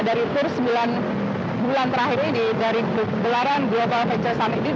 dari tur sembilan bulan terakhir ini dari gelaran global venture summit ini